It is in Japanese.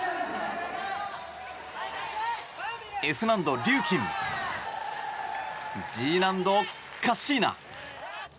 Ｆ難度リューキンＧ難度カッシーナ